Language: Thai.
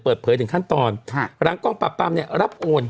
เปิดเผยถึงขั้นตอนหลังกองปรับปรามเนี่ยรับโอน